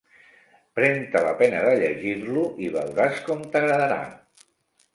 Pren-te la pena de llegir-lo i veuràs com t'agradarà.